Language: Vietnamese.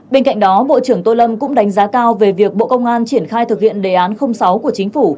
bên cạnh đó bộ trưởng tô lâm cũng đánh giá cao về việc bộ công an triển khai thực hiện đề án sáu của chính phủ